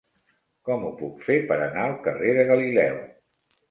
Com ho puc fer per anar al carrer de Galileu?